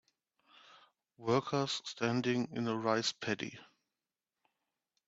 Workers standing in a rice paddy.